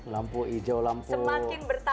lampu hijau lampu merah